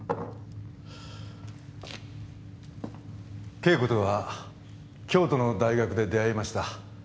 景子とは京都の大学で出会いました。